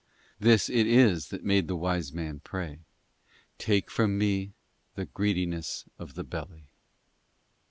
This it is that made the wise man pray: 'Take from me the greediness of the belly.